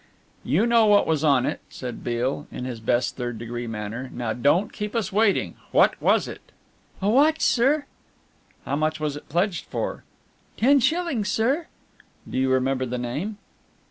"You know what was on it," said Beale, in his best third degree manner, "now don't keep us waiting. What was it?" "A watch, sir." "How much was it pledged for?" "Ten shillings, sir." "Do you remember the name."